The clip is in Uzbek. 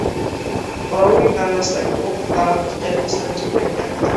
• Birovning tanasidagi o‘q daraxtga sanchilgan kabidir.